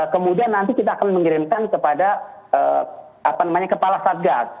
kemudian nanti kita akan mengirimkan kepada kepala satgas